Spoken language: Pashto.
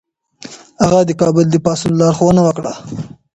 هغه د کابل د پاڅون لارښوونه وکړه.